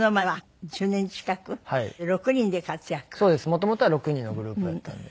元々は６人のグループやったんで。